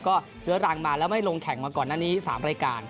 ก็เรื้อรังมาแล้วไม่ลงแข่งมาก่อนหน้านี้๓รายการ